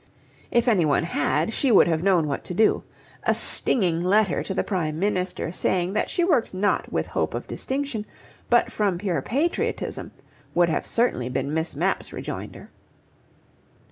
If anyone had she would have known what to do: a stinging letter to the Prime Minister saying that she worked not with hope of distinction, but from pure patriotism, would have certainly been Miss Mapp's rejoinder.